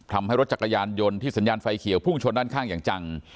ทำให้รถจักรยานยนต์ที่สัญญาณไฟเขียวพุ่งชนด้านข้างอย่างจัง